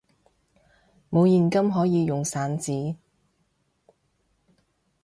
冇現金可以用散紙！